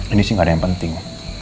ini sih nggak ada yang penting